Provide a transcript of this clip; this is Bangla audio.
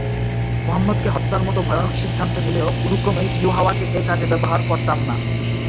মুহাম্মদকে হত্যার মত ভয়ানক সিদ্ধান্ত নিলেও কোনক্রমেই ইউহাওয়াকে এ কাজে ব্যবহার করতাম না।